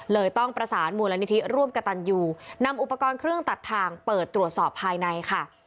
เลยต้องประสานมูลนิธิร่วมกระตันยูนำอุปกรณ์เครื่องตัดทางเปิดตรวจสอบภายในค่ะ